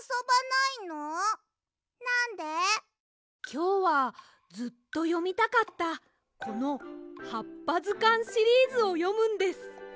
きょうはずっとよみたかったこの「はっぱずかん」シリーズをよむんです。